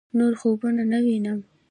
نور خوبونه نه وينم